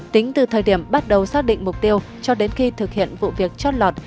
tính từ thời điểm bắt đầu xác định mục tiêu cho đến khi thực hiện vụ việc chót lọt